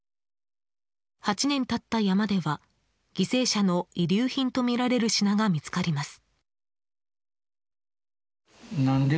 ８年経った山では犠牲者の遺留品とみられる品が見つかります。